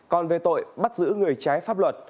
còn về tội bắt giữ người trái pháp luật